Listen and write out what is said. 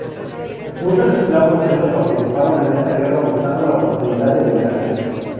Muchos esclavos negros participaron en esta guerra buscando la oportunidad de liberación.